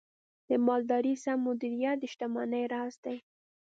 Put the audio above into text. د مالدارۍ سم مدیریت د شتمنۍ راز دی.